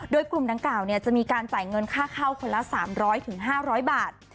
โดยกลุ่มดังกล่าวจะมีการจ่ายเงินค่าเข้าคนละ๓๐๐๕๐๐บาท